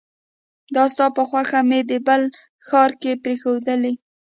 دا ستا په خوښه مې د بلې ښار کې پريښودلې